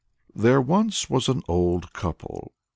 There once was an old couple.